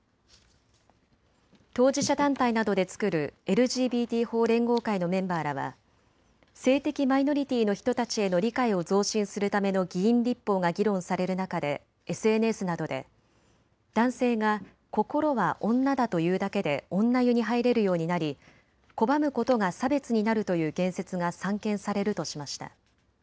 当事者団体などで作るＬＧＢＴ法連合会のメンバーらは性的マイノリティーの人たちへの理解を増進するための議員立法が議論される中でＳＮＳなどで男性が心は女だと言うだけで女湯に入れるようになり拒むことが差別になるという言説が散見されるとしました。